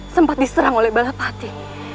sempat diserang oleh balapati